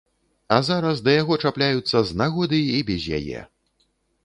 А зараз да яго чапляюцца з нагоды і без яе.